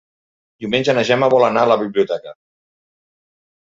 Diumenge na Gemma vol anar a la biblioteca.